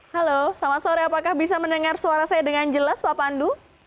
halo selamat sore apakah bisa mendengar suara saya dengan jelas pak pandu